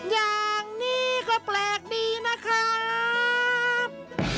อย่างนี้ก็แปลกดีนะครับ